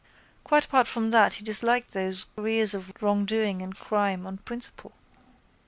Quite apart from that he disliked those careers of wrongdoing and crime on principle.